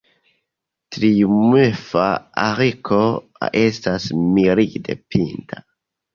Triumfa arko estas milde pinta.